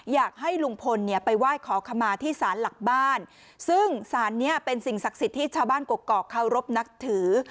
อยากให้ลุงพลเนี่ยไปไหว้ขอขมาที่สารหลักบ้านซึ่งสารเนี้ยเป็นสิ่งศักดิ์สิทธิ์ที่ชาวบ้านกกอกเคารพนับถือ